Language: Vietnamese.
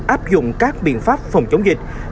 áp dụng các biện pháp phòng chống dịch bệnh covid một mươi chín